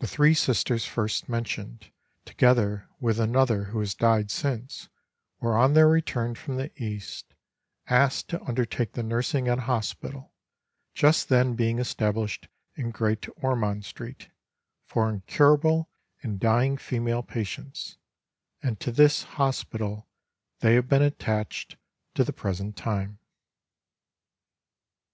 The three Sisters first mentioned, together with another who has died since, were on their return from the East, asked to undertake the nursing at a hospital, just then being established in Great Ormond street, for incurable and dying female patients, and to this hospital they have been attached to the present time.